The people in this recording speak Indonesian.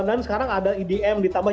dan sekarang ada edm ditambah